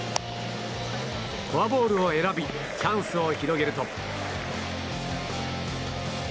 フォアボールを選びチャンスを広げると。